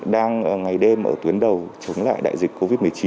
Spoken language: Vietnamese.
đang ngày đêm ở tuyến đầu chống lại đại dịch covid một mươi chín